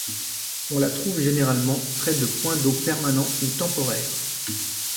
On la trouve généralement près de points d'eau permanents ou temporaires.